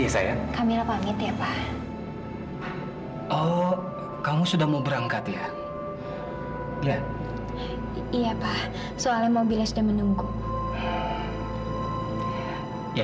sampai jumpa di video selanjutnya